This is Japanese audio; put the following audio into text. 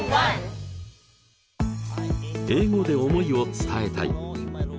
英語で思いを伝えたい！